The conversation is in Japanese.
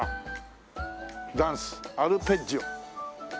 「ダンス・アルペッジオ」